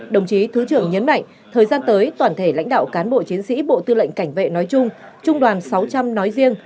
đồng chí thứ trưởng nhấn mạnh thời gian tới toàn thể lãnh đạo cán bộ chiến sĩ bộ tư lệnh cảnh vệ nói chung trung đoàn sáu trăm linh nói riêng